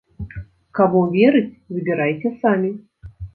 Каму верыць, выбірайце самі.